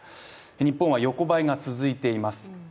日本は横ばいが続いています。